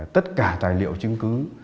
tất cả tài liệu chứng cứ